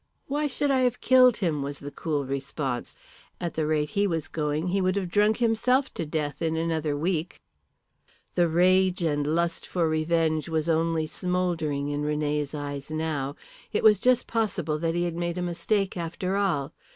"Why should I have killed him?" was the cool response. "At the rate he was going he would have drunk himself to death in another week." The rage and lust for vengeance was only smouldering in René's eyes now. It was just possible that he had made a mistake after all.